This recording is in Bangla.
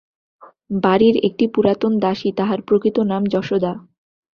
বাড়ির একটি পুরাতন দাসী, তাহার প্রকৃত নাম যশোদা।